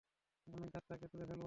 আমি দাঁতটাকে তুলে ফেলব!